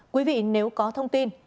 quý vị nếu có thông tin